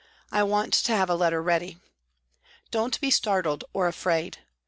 I want to have a letter ready. " Don't be startled or afraid.